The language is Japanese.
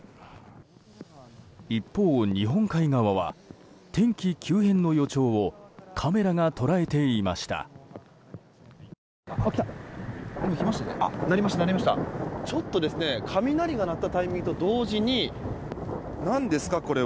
一方日本海側は天気急変の予兆をカメラが捉えていました。